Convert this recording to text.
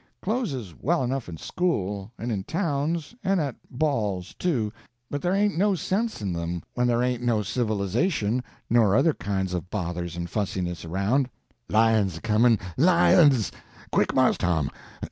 Clothes is well enough in school, and in towns, and at balls, too, but there ain't no sense in them when there ain't no civilization nor other kinds of bothers and fussiness around. "Lions a comin'!—lions! Quick, Mars Tom!